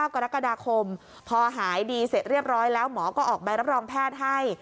กรกฎาคมพอหายดีเสร็จเรียบร้อยแล้วหมอก็ออกใบรับรองแพทย์ให้